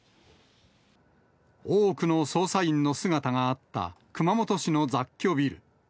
多くの捜査員の姿があった熊本市の雑居ビル。